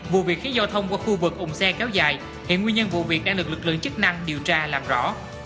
vụ việc khiến giao thông qua khu vực ủng xe kéo dài hiện nguyên nhân vụ việc đang được lực lượng chức năng điều tra làm rõ